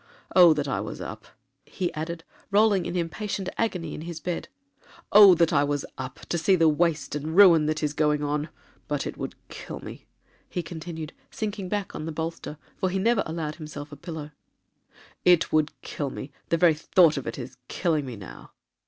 Oh that I was up,' he added, rolling in impatient agony in his bed, 'Oh that I was up, to see the waste and ruin that is going on. But it would kill me,' he continued, sinking back on the bolster, for he never allowed himself a pillow; 'it would kill me,—the very thought of it is killing me now.'